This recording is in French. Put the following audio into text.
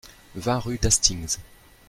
vingt rue d'Hastings